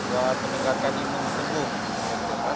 saya meningkatkan imunitas tubuh